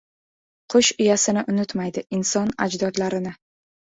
• Qush uyasini unutmaydi, inson — ajdodlarini.